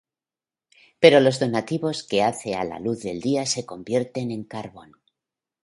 Pero los donativos que hace a la luz del día se convierten en carbón".